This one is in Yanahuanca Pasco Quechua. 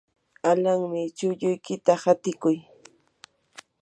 alanmi, chulluykita qatiykuy.